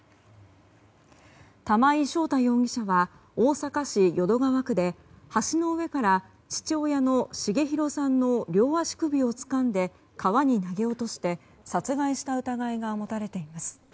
玉井将太容疑者は大阪市淀川区で橋の上から父親の重弘さんの両足首をつかんで川に投げ落として殺害した疑いが持たれています。